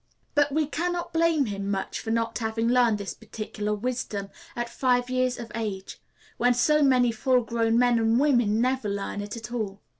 But we can not blame him much for not having learned this particular wisdom at five years of age, when so many full grown men and women never learn it at all.